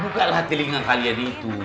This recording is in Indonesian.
buka lah telinga kalian itu